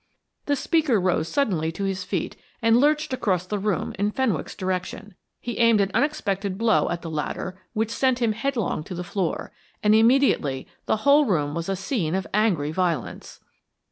The speaker rose suddenly to his feet and lurched across the room in Fenwick's direction. He aimed an unexpected blow at the latter which sent him headlong to the floor, and immediately the whole room was a scene of angry violence.